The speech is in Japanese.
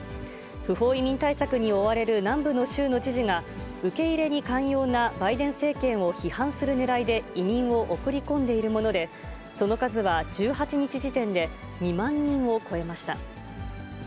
不法移民対策に追われる南部の州の知事が、受け入れに寛容なバイデン政権を批判するねらいで移民を送り込んでいるもので、その数は１８日時点で２万人を超えました。